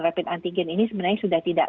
rapid antigen ini sebenarnya sudah tidak